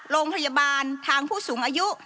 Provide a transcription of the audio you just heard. โรงพยาบาลทางผู้สูงอายุ